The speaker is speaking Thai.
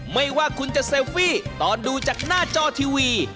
ไม่ว่าคุณจะเซลฟี่ตอนดูจากหน้าจอทีวี